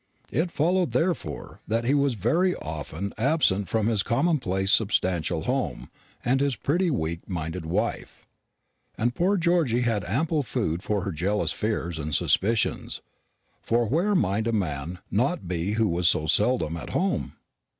It followed, therefore, that he was very often absent from his commonplace substantial home, and his pretty weak minded wife. And poor Georgy had ample food for her jealous fears and suspicions; for where might a man not be who was so seldom at home?